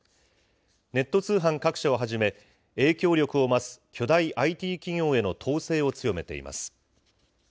ネット通販各社をはじめ、影響力を増す巨大ＩＴ企業への統制を強めています。